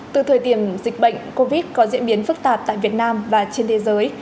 từ thời điểm dịch bệnh covid có diễn biến phức tạp tại việt nam và trên thế giới